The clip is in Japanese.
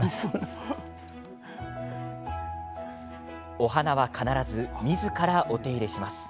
お花は必ずみずからお手入れします。